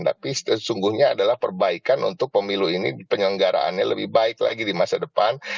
tapi sesungguhnya adalah perbaikan untuk pemilu ini penyelenggaraannya lebih baik lagi di masa depan